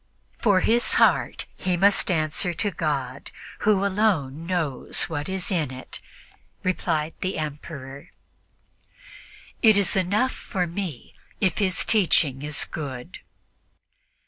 "For his heart he must answer to God, who alone knows what is in it," replied the Emperor; "it is enough for me if his teaching is good."